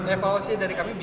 evaluasi dari kepala bkn